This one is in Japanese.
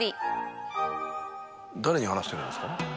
誰に話してるんですか？